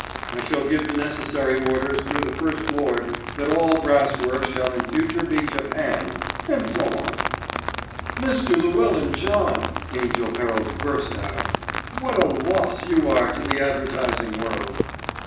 I shall give the necessary orders through the First Lord that all brass work shall in future be japanned, and so on." "Mr. Llewellyn John," Angell Herald burst out, "what a loss you are to the advertising world!"